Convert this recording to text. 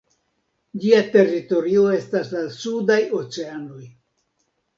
Ĝia teritorio estas la sudaj oceanoj.